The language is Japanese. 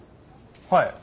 はい。